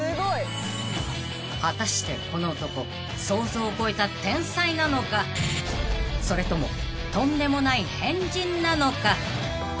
［果たしてこの男想像を超えた天才なのかそれともとんでもない変人なのか］